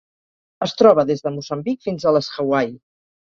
Es troba des de Moçambic fins a les Hawaii.